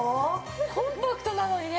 コンパクトなのにね